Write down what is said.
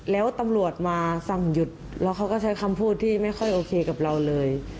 แล้วตำรวจมาสั่งหยุดแล้วเขาก็ใช้คำพูดที่ไม่ค่อยโอเคกับเราเลย